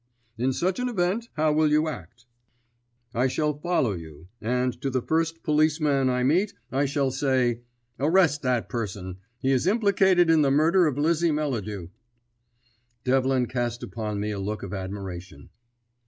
"In such an event, how will you act?" "I shall follow you, and to the first policeman I meet I shall say, 'Arrest that person. He is implicated in the murder of Lizzie Melladew.'" Devlin cast upon me a look of admiration.